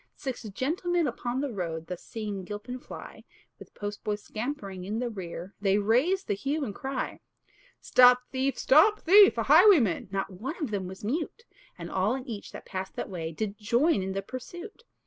Six gentlemen upon the road, Thus seeing Gilpin fly, With postboy scampering in the rear, They raised the hue and cry: "Stop thief! stop thief! a highwayman!" Not one of them was mute; And all and each that passed that way Did join in the pursuit.